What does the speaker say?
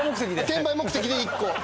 転売目的で１個。